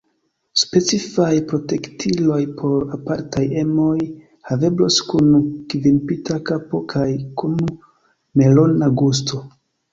Specifaj protektiloj por apartaj emoj haveblos kun kvinpinta kapo kaj kun melona gusto.